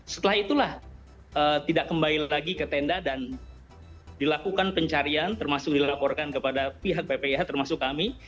setelah itulah tidak kembali lagi ke tenda dan dilakukan pencarian termasuk dilaporkan kepada pihak ppih termasuk kami